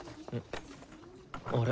あれ？